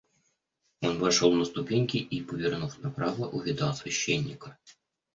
Он вошел на ступеньки и, повернув направо, увидал священника.